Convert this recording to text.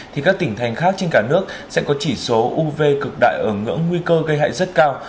thì các tỉnh thành khác trên cả nước sẽ có chỉ số uv cực đại ở ngưỡng nguy cơ gây hại rất cao